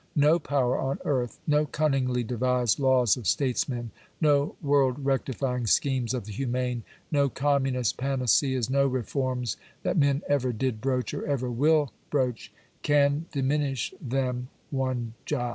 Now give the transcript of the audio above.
No power on earth, no cunningly ! devised laws of statesmen, no world rectifying schemes of the humane, no communist panaceas, no reforms that men ever did broach or ever will broach, can diminish them one jot.